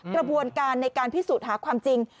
กระบวนการในการพิสูจน์หาความจริง